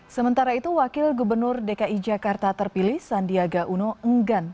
sementara itu wakil gubernur dki jakarta terpilih sandiaga uno enggan